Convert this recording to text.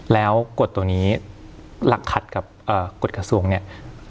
แล้วกฎตัวนี้หลักขัดกับกฎกระทรวงเนี่ย